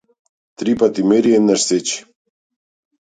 Три пати мери, еднаш сечи.